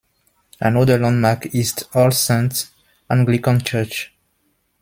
Another landmark is All Saints' Anglican Church.